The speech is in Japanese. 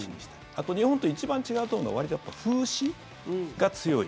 あと、日本と一番違うと思うのはわりと風刺が強い。